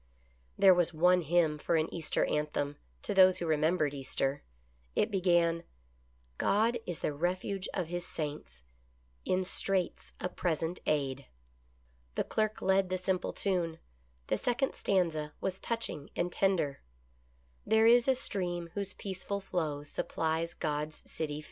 There was one hymn for an Easter anthem, to those who remembered Easter. It began :" God is the refuge of His saints, In straits a present aid." The clerk led the simple tune. The second stanza was touching and tender :" There is a stream whose peaceful flow Supplies God's city fair."